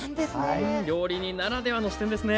料理人ならではの視点ですね。